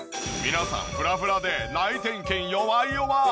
皆さんフラフラで内転筋弱々。